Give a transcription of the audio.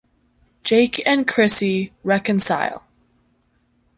Jake and Chrissie reconcile.